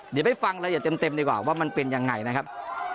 เดี๋ยวไปฟังแล้วเต็มดีกว่าว่ามันเป็นอย่างไรนะครับ